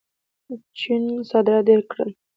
چین صادرات ډېر کړل.